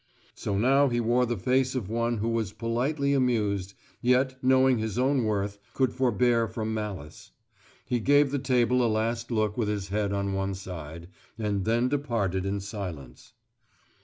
So now he wore the face of one who was politely amused, yet, knowing his own worth, could forbear from malice. He gave the table a last look with his head on one side, and then departed in silence.